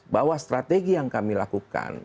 bahwa strategi yang kami lakukan